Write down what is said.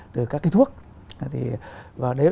từ các cái thuốc và đấy